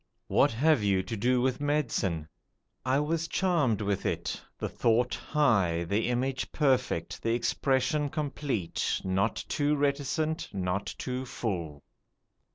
What have you to do with medicine? I was charmed with it: the thought high, the image perfect, the expression complete; not too reticent, not too full.